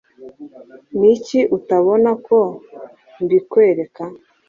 N'iki utabona ko mbikwereka